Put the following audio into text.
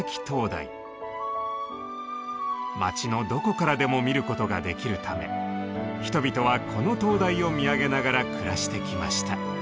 町のどこからでも見ることができるため人々はこの灯台を見上げながら暮らしてきました。